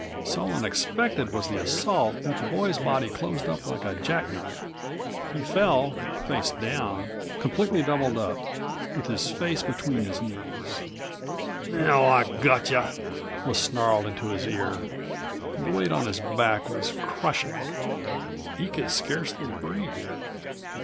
So unexpected was the assault that the boy's body closed up like a jack knife. He fell, face42 down, completely doubled up, with his face between his knees. "Now I got yuh!" was snarled into his ear. The weight on his back was crushing. He could scarcely breathe.